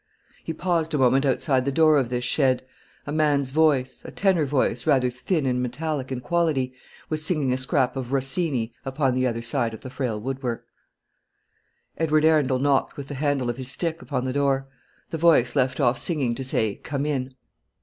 He paused a moment outside the door of this shed. A man's voice a tenor voice, rather thin and metallic in quality was singing a scrap of Rossini upon the other side of the frail woodwork. Edward Arundel knocked with the handle of his stick upon the door. The voice left off singing, to say "Come in."